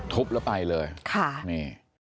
ทบแล้วไปเลยนี่ค่ะ